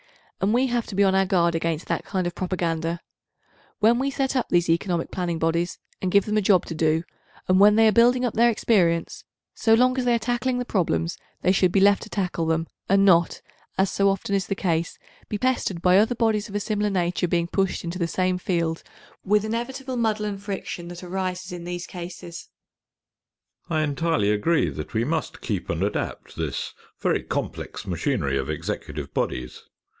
and we have to be on our guard against that kind of propaganda. When we set up these economic planning bodies, and give them a job to do, and when they are building up their experience, so long as they are tackling the problems they should be left to tackle them, and not, as so often is the case, be pestered by other bodies of a similar nature being pushed into the same field with inevitable muddle and friction that arises in these cases. § Sir Arthur Salter (Oxford University) I entirely agree that we must keep and adapt this very complex machinery of executive bodies.